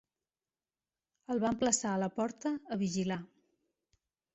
El van plaçar a la porta a vigilar.